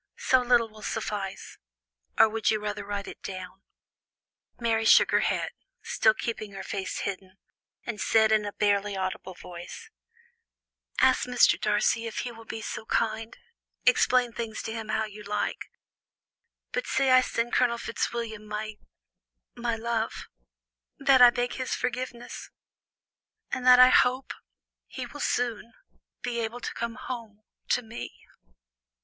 so little will suffice; or would you rather write it?" Mary shook her head, still keeping her face hidden, and said in a barely audible voice: "Ask Mr. Darcy, if he will be so kind explain things to him how you like but say I send Colonel Fitzwilliam my my love; that I beg his forgiveness; and that I hope he will soon be able to come home to me."